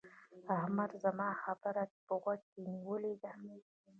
احمده! زما خبره دې په غوږو کې نيولې ده؟